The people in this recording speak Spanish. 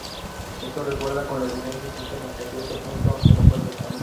Esto concuerda con la evidencia existente, hasta cierto punto, aunque no perfectamente.